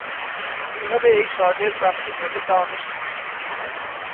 কিভাবে এই স্বর্ণের প্রাপ্তি ঘটে তা অনিশ্চিত।